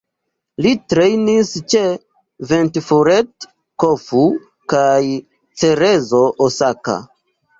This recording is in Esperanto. Li trejnis ĉe Ventforet Kofu kaj Cerezo Osaka.